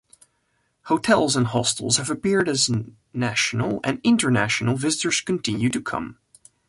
Hotels and hostels have appeared as national and international visitors continue to come.